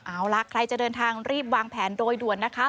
เอาล่ะใครจะเดินทางรีบวางแผนโดยด่วนนะคะ